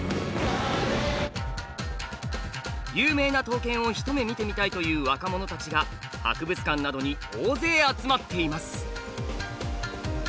有名な刀剣を一目見てみたいという若者たちが博物館などに大勢集まっています。